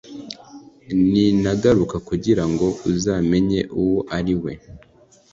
Ninagaruka kugirango uzamenye uwo ari we